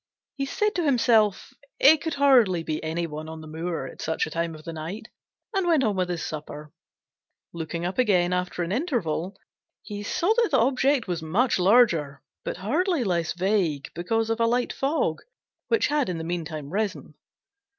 He said to himself it could hardly be any one on the moor at such a time of the night, and went on with his supper. Looking up again after an interval, he saw that the object was much larger, but hardly less vague, because of a light fog which had in the meantime risen.